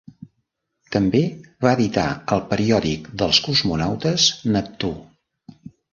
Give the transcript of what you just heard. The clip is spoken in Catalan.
També va editar el periòdic dels cosmonautes Neptú.